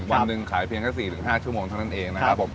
วันหนึ่งขายเพียงแค่๔๕ชั่วโมงเท่านั้นเองนะครับผม